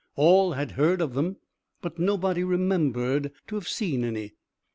All had heard of them, but nobody remembered to have seen any.